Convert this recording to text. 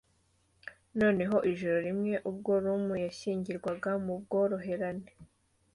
noneho ijoro rimwe ubwo rum yashyirwaga mu bworoherane,